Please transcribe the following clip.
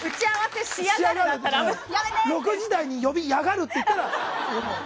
６時台に呼びやがるって言ったら。